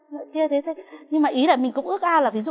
nhận ra là mẹ khác biệt